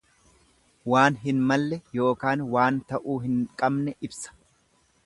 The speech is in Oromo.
Waan hin malle ykn waan ta'uu hin qabne ibsa.